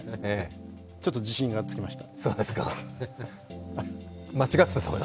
ちょっと自信がつきました。